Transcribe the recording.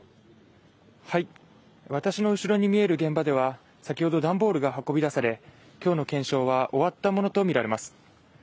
私の後ろに見える現場では先ほど段ボールが運び出され今日の検証は終わったものとみられます。